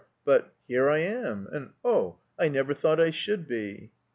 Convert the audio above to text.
but ''Here I am, and oh, I never thought I should be!"